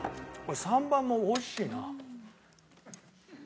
３番も美味しいな。